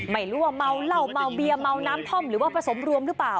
ไม่รู้ว่าเมาเหล้าเมาเบียเมาน้ำท่อมหรือว่าผสมรวมหรือเปล่า